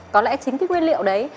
có lẽ chính cái nguyên liệu đấy